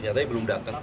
yang tadi belum datang